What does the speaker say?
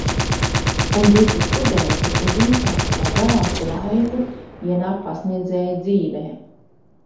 Un visi studenti uz īsāku vai garāku laiku ienāk pasniedzēja dzīvē.